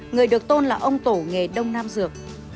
người được tôn là ông tổ nghề đông nam dược